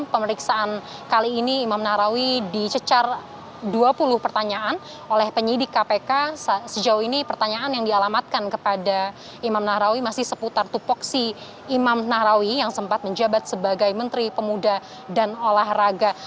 pemeriksaan kali ini imam nahrawi dicecar dua puluh pertanyaan oleh penyidik kpk sejauh ini pertanyaan yang dialamatkan kepada imam nahrawi masih seputar tupoksi imam nahrawi yang sempat menjabat sebagai menteri pemuda dan olahraga